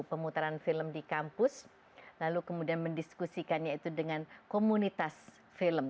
pemutaran film di kampus lalu kemudian mendiskusikannya itu dengan komunitas film